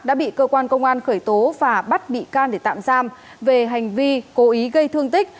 đã bị cơ quan công an khởi tố và bắt bị can để tạm giam về hành vi cố ý gây thương tích